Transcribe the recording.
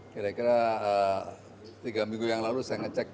kira kira tiga minggu yang lalu saya ngecek